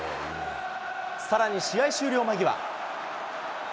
さらに試合終了間際。